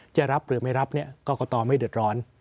จะรับหรือไม่รับเนี่ยกรกตไม่เดือดร้อน